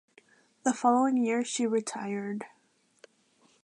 The following year she retired.